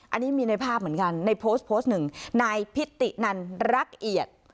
อันนี้มีในภาพเหมือนกันในโพสต์โพสต์หนึ่งนายพิตินันรักเอียด